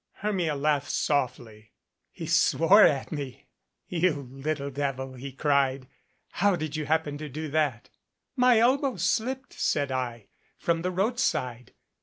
Hermia laughed softly. "He swore at me. 'You little devil,' he cried, 'how did you happen to do that?' " 'My elbow slipped,' said I, from the roadside.